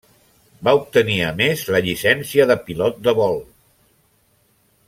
Va obtenir a més la llicència de pilot de vol.